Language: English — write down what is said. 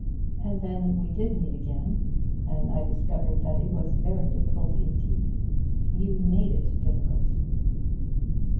And then we did meet again, and I discovered that it was very difficult indeed. You made it difficult."